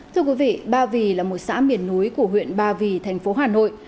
thưa quý vị ba vì là một xã miền núi của huyện ba vì thành phố hà nội